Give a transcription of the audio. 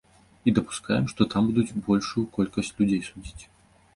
І дапускаем, што там будуць большую колькасць людзей судзіць.